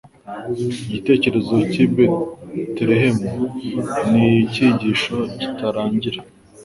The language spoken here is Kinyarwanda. Igitekerezo cy'i Betelehemu ni icyigisho kitarangira.